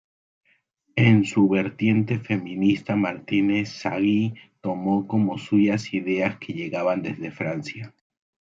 En su vertiente feminista, Martínez Sagi tomó como suyas ideas que llegaban desde Francia.